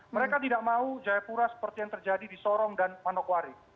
mereka tidak mau jayapura seperti yang terjadi di sorong dan manokwari